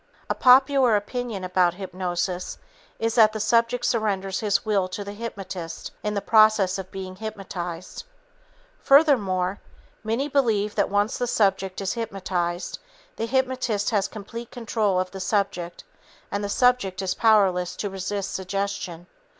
A popular opinion about hypnosis is that the subject surrenders his will to the hypnotist in the process of being hypnotized. Furthermore, many believe that once the subject is hypnotized, the hypnotist has complete control of the subject and the subject is powerless to resist suggestion.